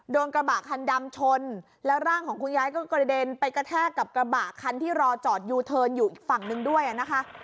กระบะคันดำชนแล้วร่างของคุณยายก็กระเด็นไปกระแทกกับกระบะคันที่รอจอดยูเทิร์นอยู่อีกฝั่งหนึ่งด้วยนะคะ